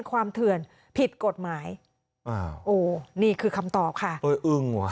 ความเผื่อผิดกฏหมายอ้าวโหนี่คือคำตอบค่ะเฮ้ยอึ้งวะ